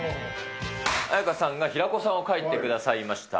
アヤカさんが平子さんを描いてくださいました。